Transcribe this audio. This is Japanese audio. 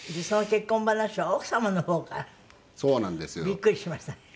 びっくりしましたね。